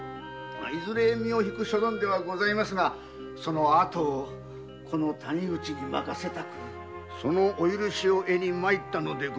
いずれ身を引く所存ですがその後をこの谷口に任せたくそのお許しを得に参ったのです。